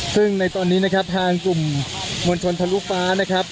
ซึ่งในตอนนี้นะครับทางกลุ่มมวลชนทะลุฟ้านะครับ